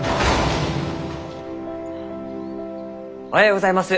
おはようございます。